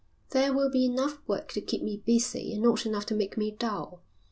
There will be enough work to keep me busy and not enough to make me dull.